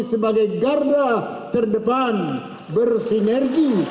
sebagai garda terdepan bersinergi